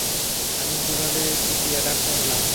আমি কীভাবে চুতিয়া ডাক্তার হলাম?